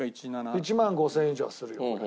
１万５０００円以上はするよ。